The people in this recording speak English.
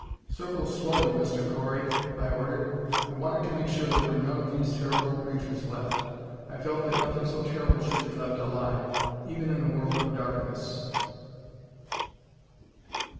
"Circle slowly, Mr. Correy," I ordered. I wanted to make sure there were none of these terrible creatures left. I felt that nothing so terrible should be left alive even in a world of darkness.